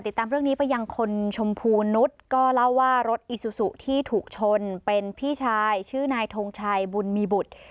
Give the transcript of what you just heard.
ติดตามเรื่องนี้ไปยังคนชมพูนุษย์ก็เล่าว่ารถอีซูซูที่ถูกชนเป็นพี่ชายชื่อนายทงชัยบุญมีบุตร